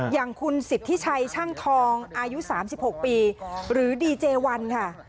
อย่างคุณสิทธิชัยช่างทองอายุ๓๖ปีหรือดีเจวันค่ะ